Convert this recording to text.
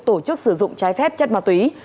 tổ chức sử dụng trái phép chất ma túy